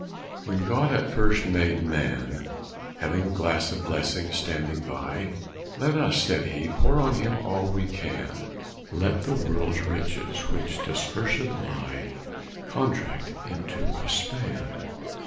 When God at first made Man, Having a glass of blessings standing by; Let us (said He) pour on him all we can: Let the world's riches, which disperséd lie, Contract into a span.